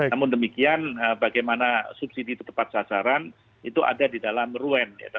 namun demikian bagaimana subsidi itu tepat sasaran itu ada di dalam ruen